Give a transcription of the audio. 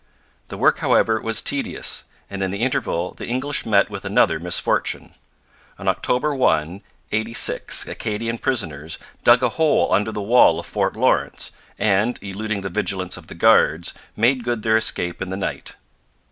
The work, however, was tedious, and in the interval the English met with another misfortune. On October 1 eighty six Acadian prisoners dug a hole under the wall of Fort Lawrence and, eluding the vigilance of the guards, made good their escape in the night.